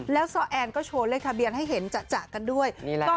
แล้วซ้อแอนก็โชว์เลขทะเบียนให้เห็นจะกันด้วย